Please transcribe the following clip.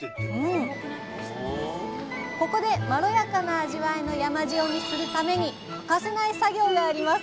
ここでまろやかな味わいの山塩にするために欠かせない作業があります。